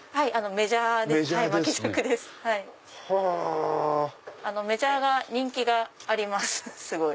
メジャーが人気がありますすごい。